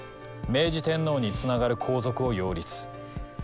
明治天皇につながる皇族を擁立。